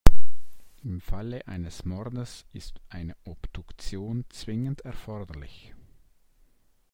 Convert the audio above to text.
Im Fall eines Mordes ist eine Obduktion zwingend erforderlich.